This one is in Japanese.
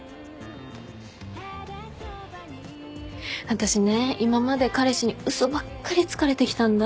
私ね今まで彼氏に嘘ばっかりつかれてきたんだ。